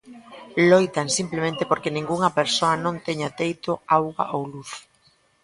Loitan simplemente porque ningunha persoa non teña teito, auga ou luz.